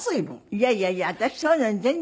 いやいやいや私そういうのに全然。